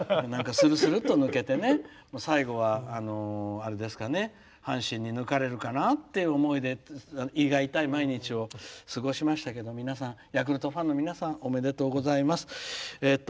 するすると抜けて最後は、阪神に抜かれるかなって思いで胃が痛い毎日を過ごしましたけどヤクルトファンの皆さんおめでとうございます。